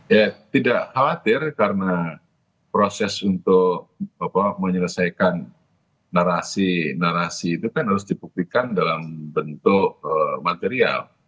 ya tidak khawatir karena proses untuk menyelesaikan narasi narasi itu kan harus dibuktikan dalam bentuk material